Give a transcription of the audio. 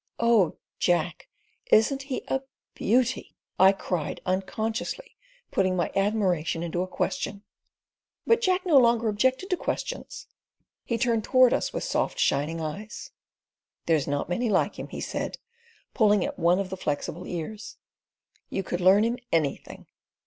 "Oh, Jack! Isn't he a beauty?" I cried unconsciously putting my admiration into a question. But Jack no longer objected to questions. He turned towards us with soft, shining eyes. "There's not many like him," he said, pulling at one of the flexible ears. "You could learn him anything."